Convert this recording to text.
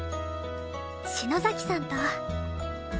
篠崎さんと